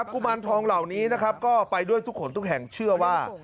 กุมารทองเหล่านี้นะครับก็ไปด้วยทุกคนทุกแห่งเชื่อว่า